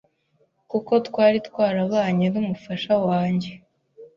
Kuko twaritwarabanye n’umufasha wanjye